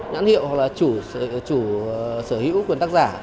hoặc là chủ sở hữu quyền tác giả